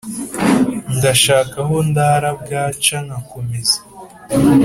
Ngashaka aho ndara bwaca nkakomeza